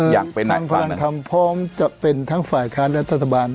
อยากเป็นไหนฝ่านั้นเอ่อทางพลังธรรมพร้อมจะเป็นทั้งฝ่ายค้ารัฐบาล